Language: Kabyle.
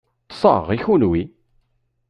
Ṭṣeɣ, i kenwi?